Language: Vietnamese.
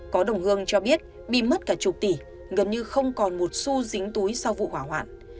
có đồng hương cho biết bị mất cả chục tỷ gần như không còn một xu dính túi sau vụ hỏa hoạn